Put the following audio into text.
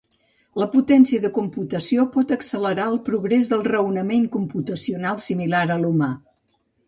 La potència de computació pot accelerar el progrés del raonament computacional similar a l'humà.